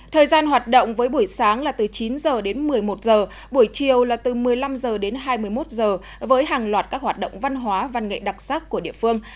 thời gian hoạt động với buổi sáng là từ chín h đến một mươi một giờ buổi chiều là từ một mươi năm h đến hai mươi một giờ với hàng loạt các hoạt động văn hóa văn nghệ đặc sắc của địa phương